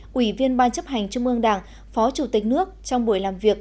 quỷ viên ban chấp hành trung ương đảng phó chủ tịch nước trong buổi làm việc